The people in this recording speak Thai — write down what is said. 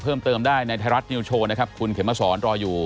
เพิ่มเติมได้ในไทยรัฐนิวโชว์นะครับคุณเข็มมาสอนรออยู่